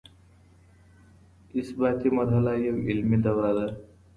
اثباتي مرحله يوه علمي دوره ده.